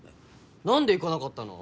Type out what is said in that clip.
何で行かなかったの？